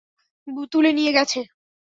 তুলে নিয়ে গেছে।